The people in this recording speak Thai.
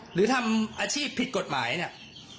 หรือทำอาชีพผิดกฎหมายเนี่ย